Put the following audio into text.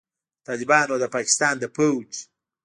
د طالبانو او د پاکستان د پوځ